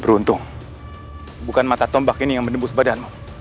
beruntung bukan mata tombak ini yang menembus badan